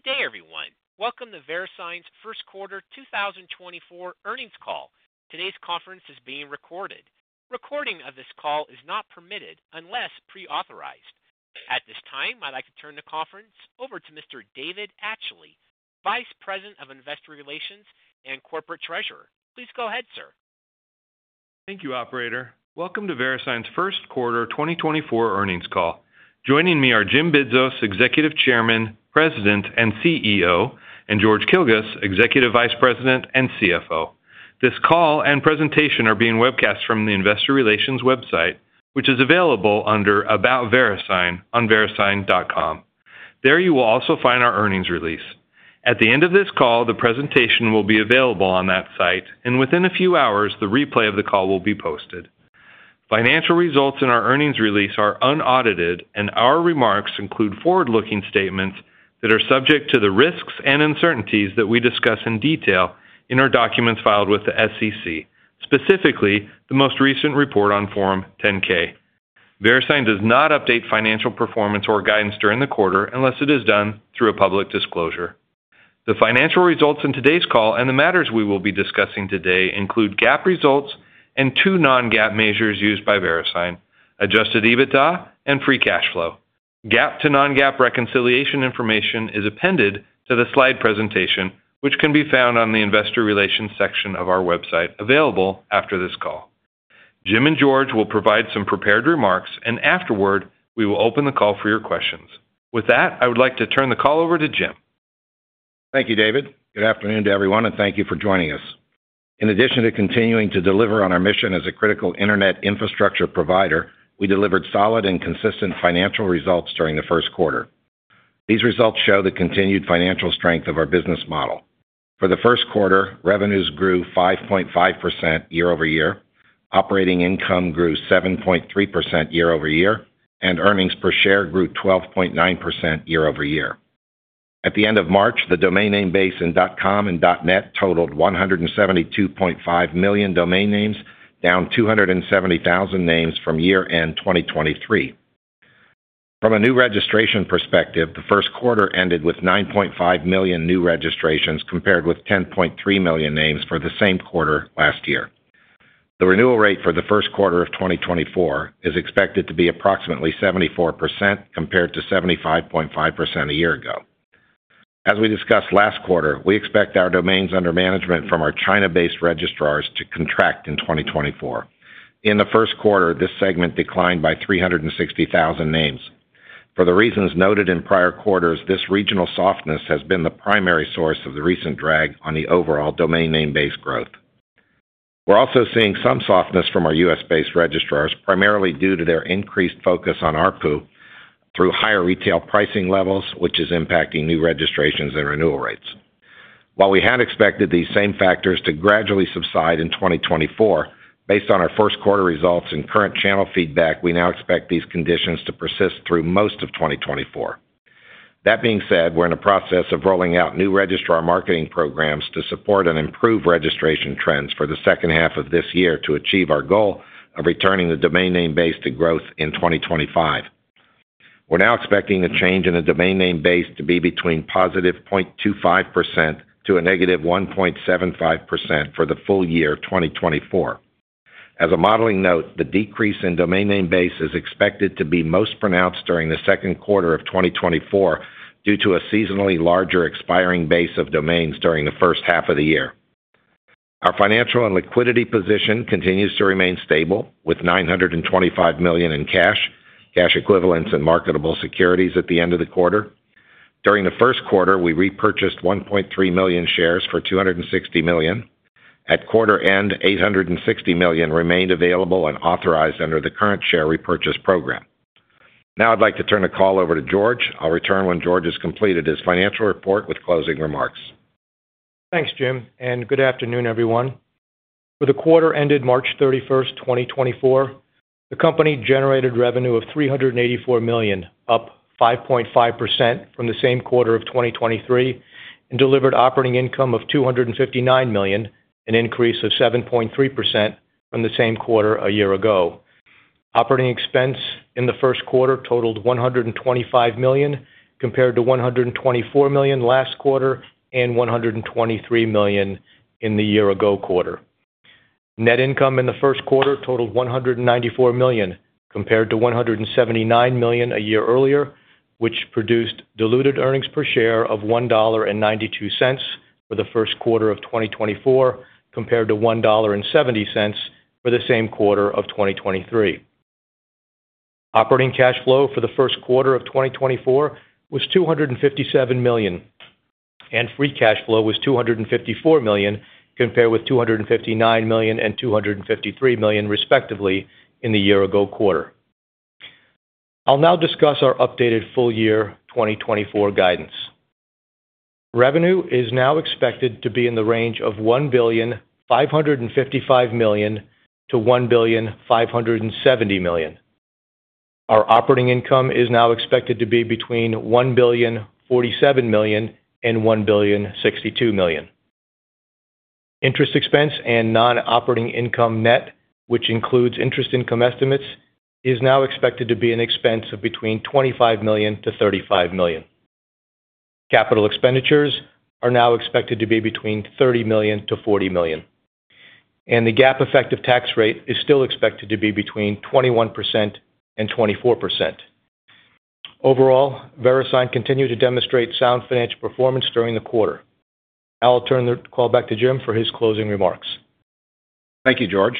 Good day, everyone. Welcome to Verisign's first quarter 2024 earnings call. Today's conference is being recorded. Recording of this call is not permitted unless pre-authorized. At this time, I'd like to turn the conference over to Mr. David Atchley, Vice President of Investor Relations and Corporate Treasurer. Please go ahead, sir. Thank you, Operator. Welcome to Verisign's first quarter 2024 earnings call. Joining me are Jim Bidzos, Executive Chairman, President and CEO, and George Kilguss, Executive Vice President and CFO. This call and presentation are being webcast from the Investor Relations website, which is available under About Verisign on verisign.com. There you will also find our earnings release. At the end of this call, the presentation will be available on that site, and within a few hours the replay of the call will be posted. Financial results in our earnings release are unaudited, and our remarks include forward-looking statements that are subject to the risks and uncertainties that we discuss in detail in our documents filed with the SEC, specifically the most recent report on Form 10-K. Verisign does not update financial performance or guidance during the quarter unless it is done through a public disclosure. The financial results in today's call and the matters we will be discussing today include GAAP results and two non-GAAP measures used by VeriSign: Adjusted EBITDA and Free Cash Flow. GAAP to non-GAAP reconciliation information is appended to the slide presentation, which can be found on the Investor Relations section of our website available after this call. Jim and George will provide some prepared remarks, and afterward we will open the call for your questions. With that, I would like to turn the call over to Jim. Thank you, David. Good afternoon to everyone, and thank you for joining us. In addition to continuing to deliver on our mission as a critical internet infrastructure provider, we delivered solid and consistent financial results during the first quarter. These results show the continued financial strength of our business model. For the first quarter, revenues grew 5.5% year-over-year, operating income grew 7.3% year-over-year, and earnings per share grew 12.9% year-over-year. At the end of March, the domain name base in .com and .net totaled 172.5 million domain names, down 270,000 names from year-end 2023. From a new registration perspective, the first quarter ended with 9.5 million new registrations compared with 10.3 million names for the same quarter last year. The renewal rate for the first quarter of 2024 is expected to be approximately 74% compared to 75.5% a year ago. As we discussed last quarter, we expect our domains under management from our China-based registrars to contract in 2024. In the first quarter, this segment declined by 360,000 names. For the reasons noted in prior quarters, this regional softness has been the primary source of the recent drag on the overall domain name base growth. We're also seeing some softness from our U.S.-based registrars, primarily due to their increased focus on ARPU through higher retail pricing levels, which is impacting new registrations and renewal rates. While we had expected these same factors to gradually subside in 2024, based on our first quarter results and current channel feedback, we now expect these conditions to persist through most of 2024. That being said, we're in the process of rolling out new registrar marketing programs to support and improve registration trends for the second half of this year to achieve our goal of returning the domain name base to growth in 2025. We're now expecting a change in the domain name base to be between +0.25% to -1.75% for the full year 2024. As a modeling note, the decrease in domain name base is expected to be most pronounced during the second quarter of 2024 due to a seasonally larger expiring base of domains during the first half of the year. Our financial and liquidity position continues to remain stable, with $925 million in cash, cash equivalents, and marketable securities at the end of the quarter. During the first quarter, we repurchased 1.3 million shares for $260 million. At quarter end, 860 million remained available and authorized under the current share repurchase program. Now I'd like to turn the call over to George. I'll return when George has completed his financial report with closing remarks. Thanks, Jim, and good afternoon, everyone. For the quarter ended March 31st, 2024, the company generated revenue of $384 million, up 5.5% from the same quarter of 2023, and delivered operating income of $259 million, an increase of 7.3% from the same quarter a year ago. Operating expense in the first quarter totaled $125 million compared to $124 million last quarter and $123 million in the year-ago quarter. Net income in the first quarter totaled $194 million compared to $179 million a year earlier, which produced diluted earnings per share of $1.92 for the first quarter of 2024 compared to $1.70 for the same quarter of 2023. Operating cash flow for the first quarter of 2024 was $257 million, and free cash flow was $254 million compared with $259 million and $253 million, respectively, in the year-ago quarter. I'll now discuss our updated full year 2024 guidance. Revenue is now expected to be in the range of $1,555 million-$1,570 million. Our operating income is now expected to be between $1,047 million and $1,062 million. Interest expense and non-operating income net, which includes interest income estimates, is now expected to be an expense of between $25 million-$35 million. Capital expenditures are now expected to be between $30 million-$40 million, and the GAAP effective tax rate is still expected to be between 21% and 24%. Overall, VeriSign continued to demonstrate sound financial performance during the quarter. I'll turn the call back to Jim for his closing remarks. Thank you, George.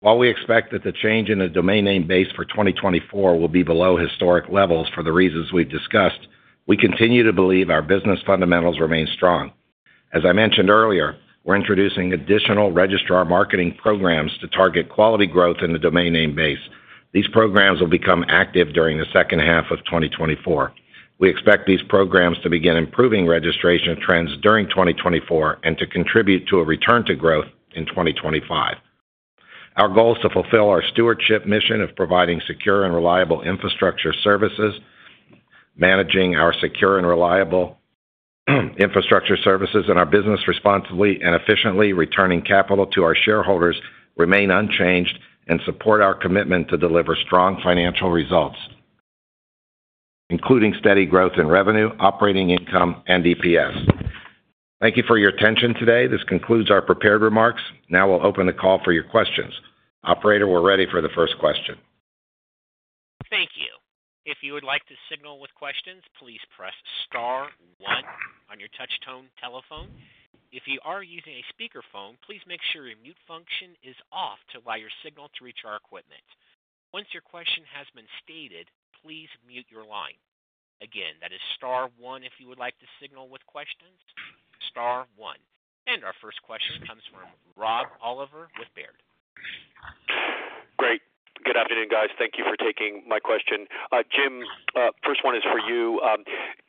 While we expect that the change in the domain name base for 2024 will be below historic levels for the reasons we've discussed, we continue to believe our business fundamentals remain strong. As I mentioned earlier, we're introducing additional registrar marketing programs to target quality growth in the domain name base. These programs will become active during the second half of 2024. We expect these programs to begin improving registration trends during 2024 and to contribute to a return to growth in 2025. Our goals to fulfill our stewardship mission of providing secure and reliable infrastructure services, managing our secure and reliable infrastructure services in our business responsibly and efficiently, returning capital to our shareholders, remain unchanged and support our commitment to deliver strong financial results, including steady growth in revenue, operating income, and EPS. Thank you for your attention today. This concludes our prepared remarks. Now we'll open the call for your questions. Operator, we're ready for the first question. Thank you. If you would like to signal with questions, please press star one on your touch-tone telephone. If you are using a speakerphone, please make sure your mute function is off to allow your signal to reach our equipment. Once your question has been stated, please mute your line. Again, that is star one if you would like to signal with questions. star one. And our first question comes from Rob Oliver with Baird. Great. Good afternoon, guys. Thank you for taking my question. Jim, first one is for you.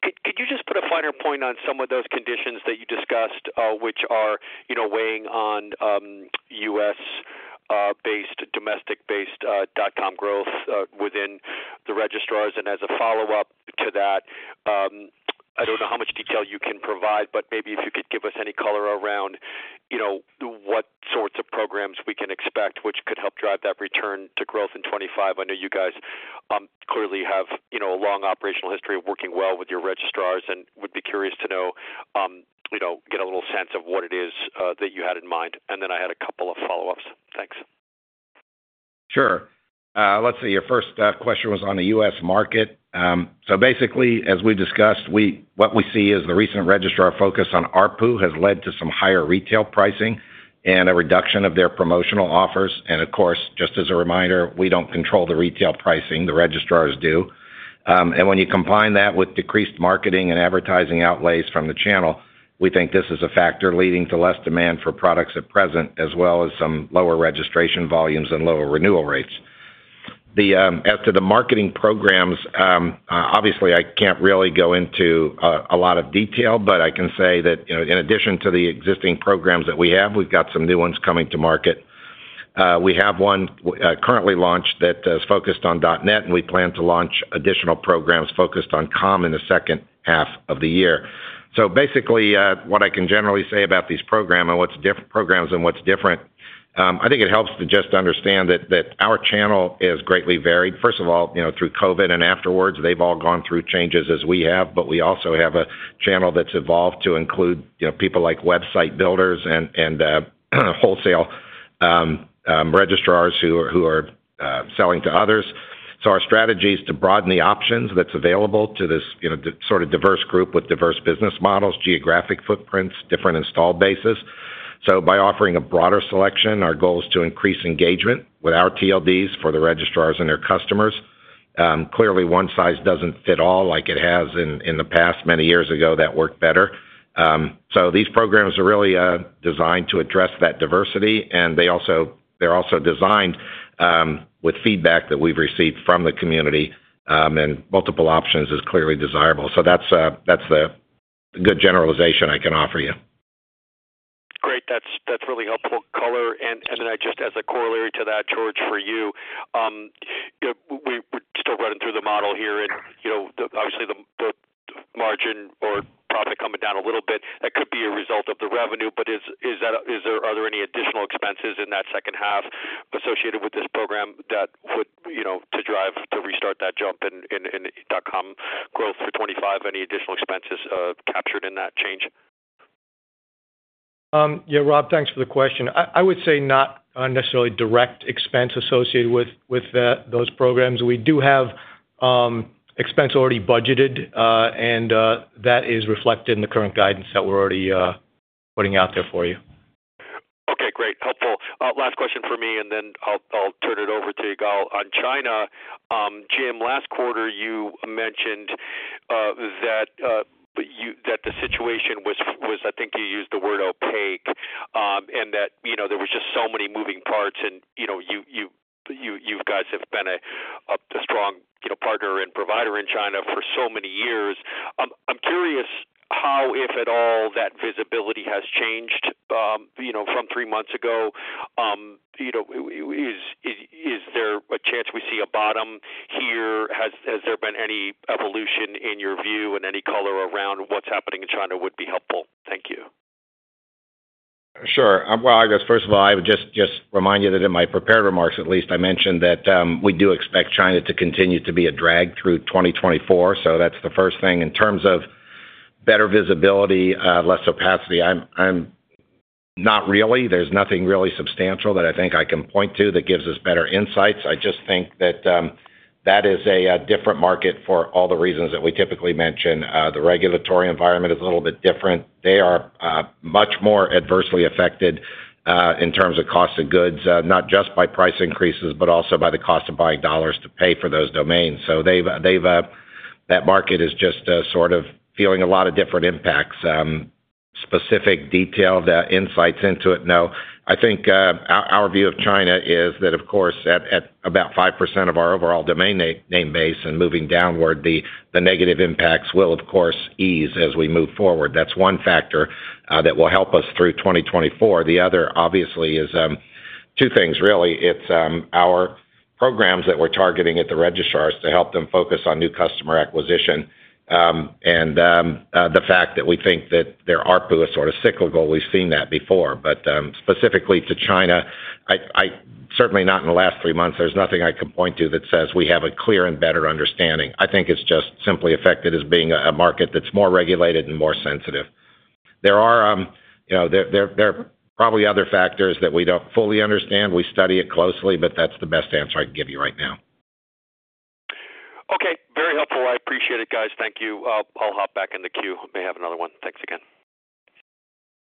Could you just put a finer point on some of those conditions that you discussed, which are weighing on U.S.-based, domestic-based .com growth within the registrars? And as a follow-up to that, I don't know how much detail you can provide, but maybe if you can give us any color around what sorts of programs we can expect, which could help drive that return to growth in 2025. I know you guys clearly have a long operational history of working well with your registrars, and would be curious to get a little sense of what it is that you had in mind. And then I had a couple of follow-ups. Thanks. Sure. Let's see. Your first question was on the U.S. market. So basically, as we've discussed, what we see is the recent registrar focus on ARPU has led to some higher retail pricing and a reduction of their promotional offers. And of course, just as a reminder, we don't control the retail pricing. The registrars do. And when you combine that with decreased marketing and advertising outlays from the channel, we think this is a factor leading to less demand for products at present, as well as some lower registration volumes and lower renewal rates. As to the marketing programs, obviously I can't really go into a lot of detail, but I can say that in addition to the existing programs that we have, we've got some new ones coming to market. We have one currently launched that is focused on .net, and we plan to launch additional programs focused on .com in the second half of the year. So basically, what I can generally say about these programs and what's different programs and what's different, I think it helps to just understand that our channel is greatly varied. First of all, through COVID and afterwards, they've all gone through changes as we have, but we also have a channel that's evolved to include people like website builders and wholesale registrars who are selling to others. So our strategy is to broaden the options that's available to this sort of diverse group with diverse business models, geographic footprints, different install bases. So by offering a broader selection, our goal is to increase engagement with our TLDs for the registrars and their customers. Clearly, one size doesn't fit all like it has in the past many years ago that worked better. So these programs are really designed to address that diversity, and they're also designed with feedback that we've received from the community, and multiple options is clearly desirable. So that's the good generalization I can offer you. Great. That's really helpful color. And then just as a corollary to that, George, for you, we're still running through the model here, and obviously the margin or profit coming down a little bit, that could be a result of the revenue. But are there any additional expenses in that second half associated with this program to drive to restart that jump in .com growth for 2025, any additional expenses captured in that change? Yeah, Rob, thanks for the question. I would say not necessarily direct expense associated with those programs. We do have expense already budgeted, and that is reflected in the current guidance that we're already putting out there for you. Okay, great. Helpful. Last question for me, and then I'll turn it over to Ygal on China. Jim, last quarter you mentioned that the situation was, I think you used the word opaque, and that there was just so many moving parts, and you guys have been a strong partner and provider in China for so many years. I'm curious how, if at all, that visibility has changed from three months ago. Is there a chance we see a bottom here? Has there been any evolution in your view? And any color around what's happening in China would be helpful. Thank you. Sure. Well, I guess first of all, I would just remind you that in my prepared remarks, at least, I mentioned that we do expect China to continue to be a drag through 2024. So that's the first thing. In terms of better visibility, less opacity, not really. There's nothing really substantial that I think I can point to that gives us better insights. I just think that that is a different market for all the reasons that we typically mention. The regulatory environment is a little bit different. They are much more adversely affected in terms of cost of goods, not just by price increases, but also by the cost of buying dollars to pay for those domains. So that market is just sort of feeling a lot of different impacts. Specific detailed insights into it, no. I think our view of China is that, of course, at about 5% of our overall domain name base and moving downward, the negative impacts will, of course, ease as we move forward. That's one factor that will help us through 2024. The other, obviously, is two things, really. It's our programs that we're targeting at the registrars to help them focus on new customer acquisition and the fact that we think that their ARPU is sort of cyclical. We've seen that before. But specifically to China, certainly not in the last three months, there's nothing I can point to that says we have a clear and better understanding. I think it's just simply affected as being a market that's more regulated and more sensitive. There are probably other factors that we don't fully understand. We study it closely, but that's the best answer I can give you right now. Okay. Very helpful. I appreciate it, guys. Thank you. I'll hop back in the queue. May have another one. Thanks again.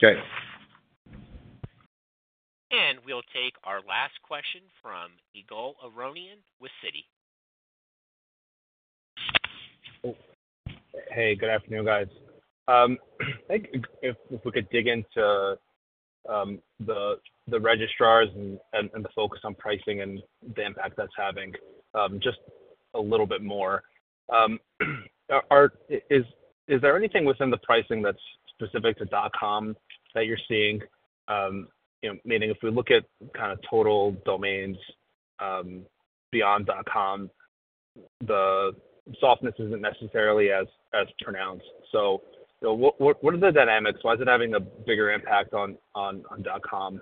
Okay. We'll take our last question from Ygal Arounian with Citi. Hey, good afternoon, guys. I think if we could dig into the registrars and the focus on pricing and the impact that's having just a little bit more. Is there anything within the pricing that's specific to .com that you're seeing? Meaning if we look at kind of total domains beyond .com, the softness isn't necessarily as pronounced. So what are the dynamics? Why is it having a bigger impact on .com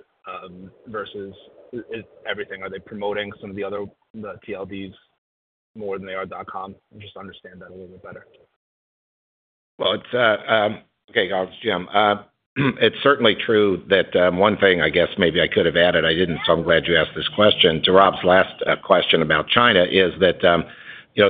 versus everything? Are they promoting some of the other TLDs more than they are .com? Just understand that a little bit better. Well, okay, Ygal, it's Jim. It's certainly true that one thing, I guess, maybe I could have added. I didn't, so I'm glad you asked this question. To Rob's last question about China is that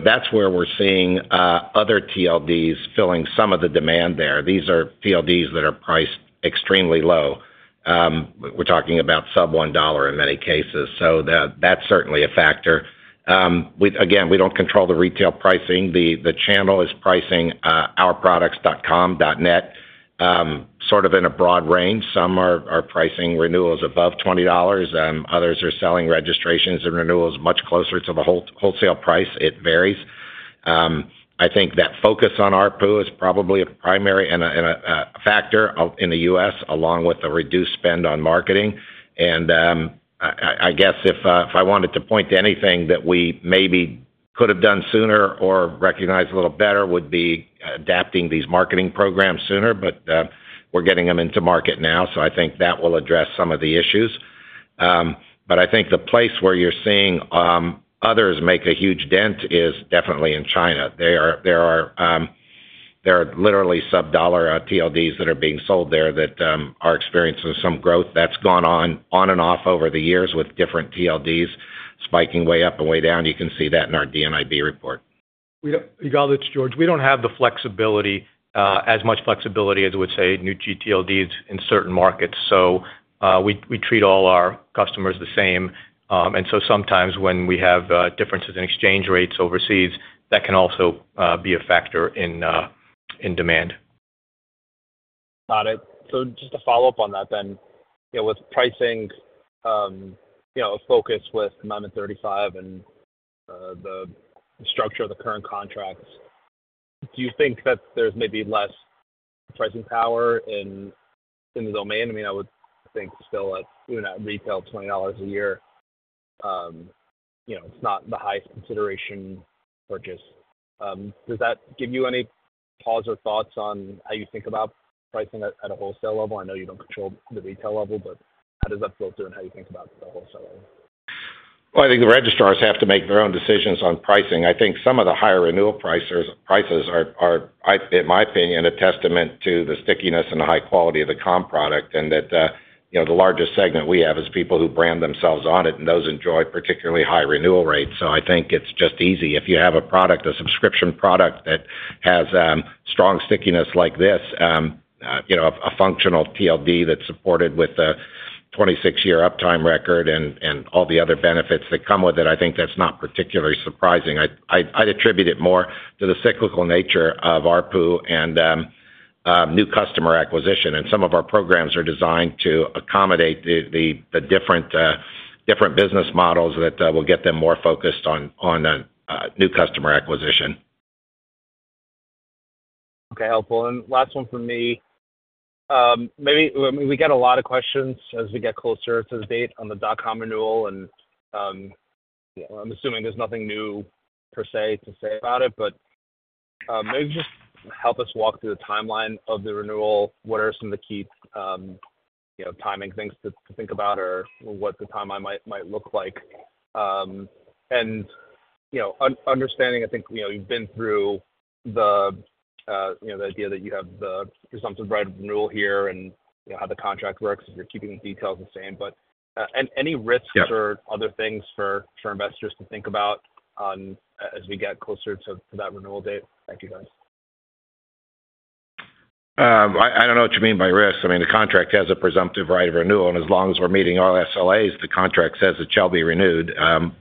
that's where we're seeing other TLDs filling some of the demand there. These are TLDs that are priced extremely low. We're talking about sub-$1 in many cases. So that's certainly a factor. Again, we don't control the retail pricing. The channel is pricing our products .com, .net sort of in a broad range. Some are pricing renewals above $20. Others are selling registrations and renewals much closer to the wholesale price. It varies. I think that focus on ARPU is probably a primary factor in the U.S., along with the reduced spend on marketing. I guess if I wanted to point to anything that we maybe could have done sooner or recognized a little better would be adapting these marketing programs sooner. We're getting them into market now, so I think that will address some of the issues. I think the place where you're seeing others make a huge dent is definitely in China. There are literally sub-dollar TLDs that are being sold there that are experiencing some growth that's gone on and off over the years with different TLDs spiking way up and way down. You can see that in our DNIB report. Ygal, it's George. We don't have the flexibility, as much flexibility as we'd say new gTLDs in certain markets. So we treat all our customers the same. And so sometimes when we have differences in exchange rates overseas, that can also be a factor in demand. Got it. So just to follow up on that then, with pricing, a focus with Amendment 35 and the structure of the current contracts, do you think that there's maybe less pricing power in the domain? I mean, I would think still at retail, $20 a year, it's not the highest consideration purchase. Does that give you any pause or thoughts on how you think about pricing at a wholesale level? I know you don't control the retail level, but how does that flow through and how you think about the wholesale level? Well, I think the registrars have to make their own decisions on pricing. I think some of the higher renewal prices, in my opinion, are a testament to the stickiness and the high quality of the .com product and that the largest segment we have is people who brand themselves on it, and those enjoy particularly high renewal rates. So I think it's just easy. If you have a product, a subscription product that has strong stickiness like this, a functional TLD that's supported with a 26-year uptime record and all the other benefits that come with it, I think that's not particularly surprising. I'd attribute it more to the cyclical nature of ARPU and new customer acquisition. And some of our programs are designed to accommodate the different business models that will get them more focused on new customer acquisition. Okay, helpful. Last one from me. I mean, we get a lot of questions as we get closer to the date on the .com renewal, and I'm assuming there's nothing new per se to say about it, but maybe just help us walk through the timeline of the renewal. What are some of the key timing things to think about or what the timeline might look like? And understanding, I think you've been through the idea that you have the presumptive right of renewal here and how the contract works, you're keeping the details the same. But any risks or other things for investors to think about as we get closer to that renewal date? Thank you, guys. I don't know what you mean by risks. I mean, the contract has a presumptive right of renewal, and as long as we're meeting all SLAs, the contract says it shall be renewed.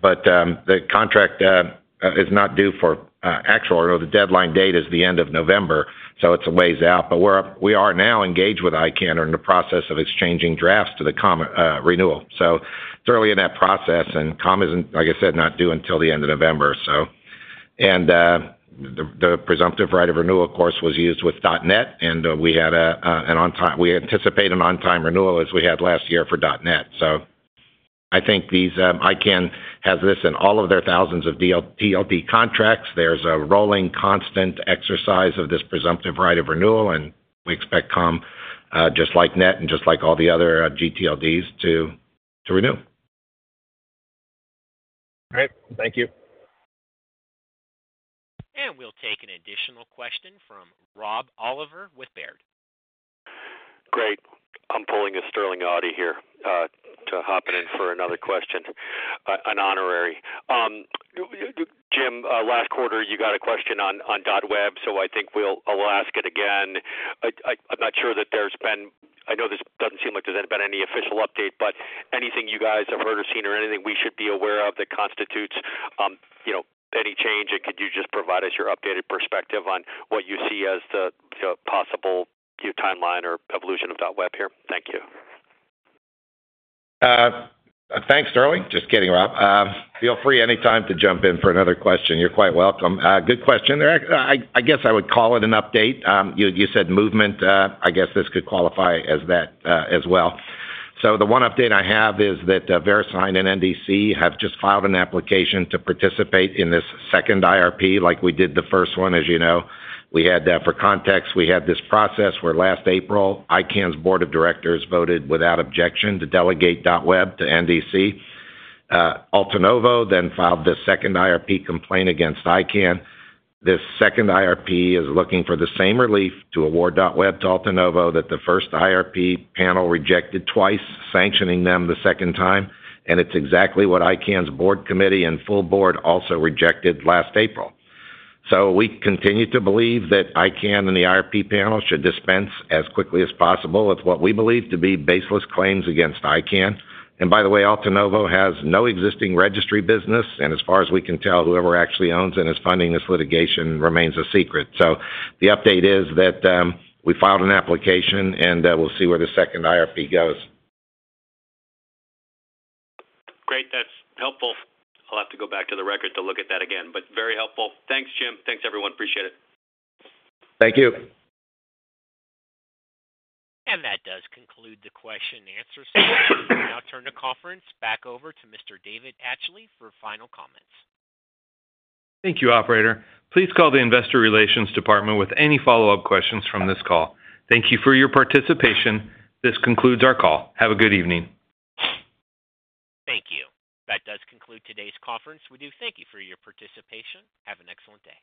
But the contract is not due for actual, or the deadline date is the end of November, so it's a ways out. But we are now engaged with ICANN and in the process of exchanging drafts to the common renewal. So it's early in that process, and .com isn't, like I said, not due until the end of November, so. And the presumptive right of renewal, of course, was used with .net, and we anticipate an on-time renewal as we had last year for .net. So I think ICANN has this in all of their thousands of TLD contracts. There's a rolling, constant exercise of this presumptive right of renewal, and we expect .com, just like .net and just like all the other gTLDs, to renew. Great. Thank you. We'll take an additional question from Rob Oliver with Baird. Great. I'm pulling a Sterling Auty here to hop in for another question, an honorary. Jim, last quarter you got a question on .web, so I think I'll ask it again. I'm not sure. I know this doesn't seem like there's been any official update, but anything you guys have heard or seen or anything we should be aware of that constitutes any change, and could you just provide us your updated perspective on what you see as the possible timeline or evolution of .web here? Thank you. Thanks, Sterling. Just kidding, Rob. Feel free anytime to jump in for another question. You're quite welcome. Good question. I guess I would call it an update. You said movement. I guess this could qualify as that as well. So the one update I have is that Verisign and NDC have just filed an application to participate in this second IRP like we did the first one, as you know. We had that for context. We had this process where last April, ICANN's board of directors voted without objection to delegate .web to NDC. Altanovo then filed this second IRP complaint against ICANN. This second IRP is looking for the same relief to award .web to Altanovo that the first IRP panel rejected twice, sanctioning them the second time. And it's exactly what ICANN's board committee and full board also rejected last April. We continue to believe that ICANN and the IRP panel should dispense as quickly as possible with what we believe to be baseless claims against ICANN. By the way, Altanovo has no existing registry business, and as far as we can tell, whoever actually owns and is funding this litigation remains a secret. The update is that we filed an application, and we'll see where the second IRP goes. Great. That's helpful. I'll have to go back to the record to look at that again, but very helpful. Thanks, Jim. Thanks, everyone. Appreciate it. Thank you. That does conclude the question-and-answer session. I'll turn the conference back over to Mr. David Atchley for final comments. Thank you, operator. Please call the investor relations department with any follow-up questions from this call. Thank you for your participation. This concludes our call. Have a good evening. Thank you. That does conclude today's conference. We do thank you for your participation. Have an excellent day.